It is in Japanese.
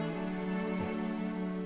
うん。